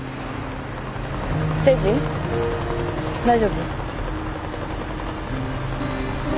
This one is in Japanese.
大丈夫？